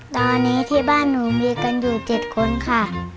ตอนนี้ที่บ้านหนูมีกันอยู่๗คนค่ะ